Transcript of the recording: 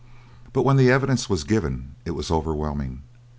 But when the evidence was given it was overwhelming.